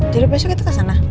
jadi besok kita kesana